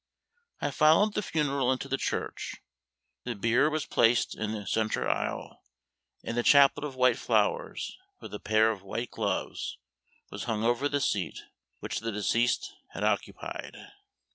I followed the funeral into the church. The bier was placed in the centre aisle, and the chaplet of white flowers, with a pair of white gloves, was hung over the seat which the deceased had occupied.